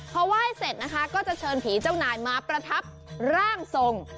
พอไหว้เสร็จนะคะก็จะเชิญผีเจ้านายมาประทับร่างทรง